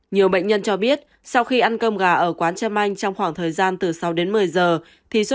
nhiều bệnh nhân cho biết sau khi ăn cơm gà ở quán trâm anh trong khoảng thời gian từ sáu đến một mươi giờ thì số